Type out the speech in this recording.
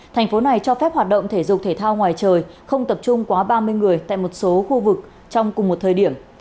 thành phố này cho phép hoạt động thể dục thể thao ngoài trời không tập trung quá ba mươi người tại một số khu vực trong cùng một thời điểm